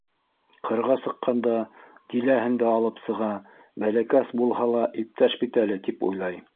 Ҡырға сыҡҡанда Диләһен дә алып сыға, бәләкәс булһа ла, иптәш бит әле, тип уйлай.